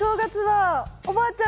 おばあちゃん